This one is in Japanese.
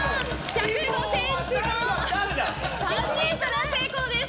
１０５ｃｍも３人とも成功です。